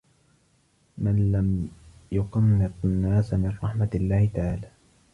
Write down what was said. مَنْ لَمْ يُقَنِّطْ النَّاسَ مِنْ رَحْمَةِ اللَّهِ تَعَالَى